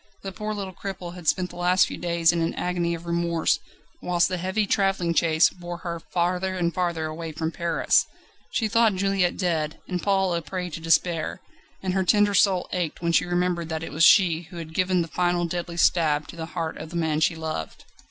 The poor little cripple had spent the last few days in an agony of remorse, whilst the heavy travelling chaise bore her farther and farther away from Paris. She thought Juliette dead, and Paul a prey to despair, and her tender soul ached when she remembered that it was she who had given the final deadly stab to the heart of the man she loved.